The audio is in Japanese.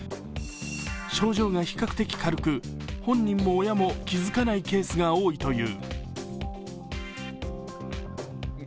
症状が比較的軽く、本人も親も気付かないケースが多いという。